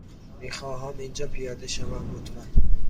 می خواهم اینجا پیاده شوم، لطفا.